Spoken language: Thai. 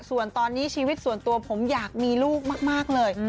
ส่วนตอนนี้ชีวิตส่วนตัวผมอยากมีลูกมากเลย